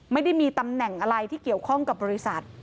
ไม่ได้มีตำแหน่งอะไรที่เกี่ยวข้องกับบริษัท